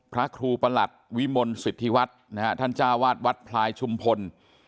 พระครูประหลัดวิมลสิทธิวัฒน์นะฮะท่านจ้าวาดวัดพลายชุมพล